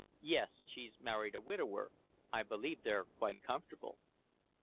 "Yes, she married a widower. I believe they're quite comfortable."